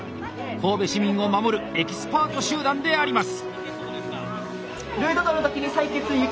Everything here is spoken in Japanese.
神戸市民を守るエキスパート集団であります。